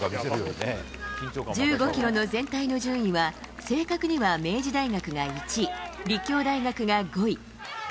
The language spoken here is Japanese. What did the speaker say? １５キロの全体の順位は正確には明治大学が１位、立教大学が５位。